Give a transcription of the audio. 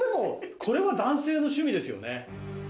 これは男性の趣味ですよね？